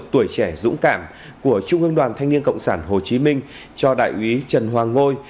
tuổi trẻ dũng cảm của trung ương đoàn thanh niên cộng sản hồ chí minh cho đại úy trần hoàng ngôi